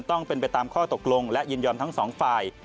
ต้องเป็นไปตามข้อตกลงและยินยอมทั้งสองฝ่าย